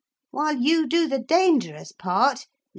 'While you do the dangerous part?